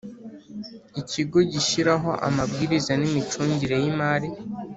Ikigo gishyiraho amabwiriza n’imicungire y’imari